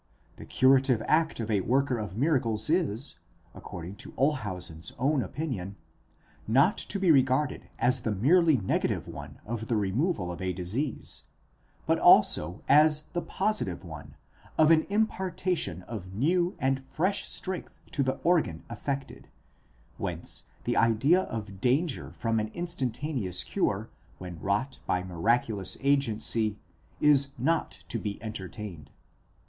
The curative act of a worker of miracles is (according to Olshausen's own opinion) not to be regarded as the merely negative one of the removal of a disease, but also as the positive one of an impartation of new and fresh strength to the organ affected, whence the idea of danger from an instantaneous cure when wrought by miraculous agency, is not to be entertained.